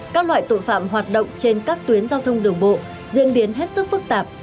các loại tội phạm hoạt động trên các tuyến giao thông đường bộ diễn biến hết sức phức tạp